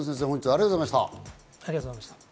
水野先生、ありがとうございました。